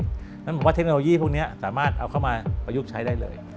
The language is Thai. นั่นหมายถึงว่าเทคโนโลยีพวกนี้สามารถเอาเข้ามาประยุกต์ใช้ได้เลย